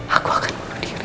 aku akan membunuh diri